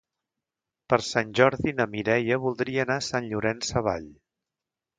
Per Sant Jordi na Mireia voldria anar a Sant Llorenç Savall.